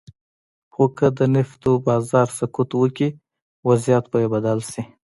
خو که د نفتو بازار سقوط وکړي، وضعیت به یې بدل شي.